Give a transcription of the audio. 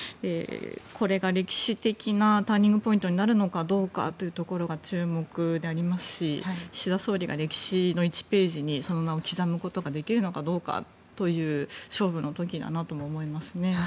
これが歴史的なターニングポイントになるのかどうかというところが注目になりますし岸田総理が歴史の１ページにその名を刻むことができるのかどうかという勝負の時だなとも思いますね。